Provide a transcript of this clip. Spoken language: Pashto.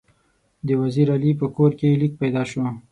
د وزیر علي په کور کې لیک پیدا شو.